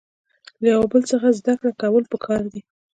له یو بل څخه زده کړه کول پکار دي.